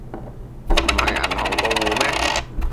唔係銀行過戶咩?